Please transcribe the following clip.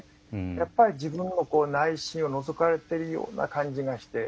やっぱり自分の内心をのぞかれているような感じがして。